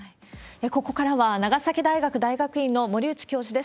ここからは、長崎大学大学院の森内教授です。